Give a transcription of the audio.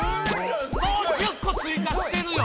もう１０個追加してるよ。